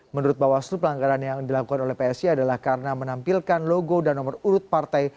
menurut bawaslu pelanggaran yang dilakukan oleh psi adalah karena menampilkan logo dan nomor urut partai